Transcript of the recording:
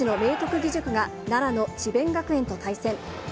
義塾が奈良の智辯学園と対戦。